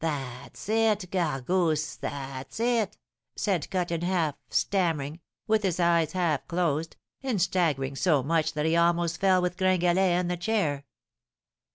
'That's it, Gargousse that's it!' said Cut in Half, stammering, with his eyes half closed, and staggering so much that he almost fell with Gringalet and the chair.